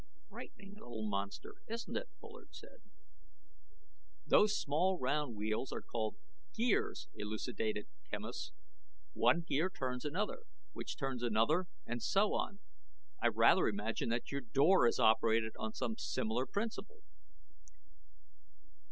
"Frightening little monster, isn't it," Bullard said. "Those small round wheels are called gears," elucidated Quemos, "one gear turns another, which turns another, and so on. I rather imagine that your door is operated on some similar principle."